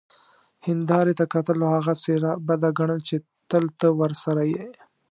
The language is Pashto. هیندارې ته کتل او هغه څیره بده ګڼل چې تل ته ورسره يې،